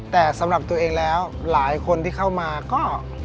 แต่สำหรับตัวเองแล้วหลายคนที่เข้ามาก็